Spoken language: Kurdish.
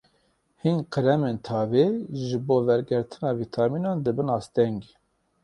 Hin kremên tavê ji bo wergirtina vîtamînan dibin asteng.